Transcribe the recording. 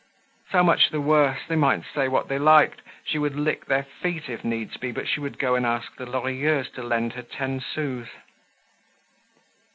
So much the worse! They might say what they liked; she would lick their feet if needs be, but she would go and ask the Lorilleuxs to lend her ten sous.